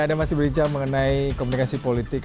anda masih berbicara mengenai komunikasi politik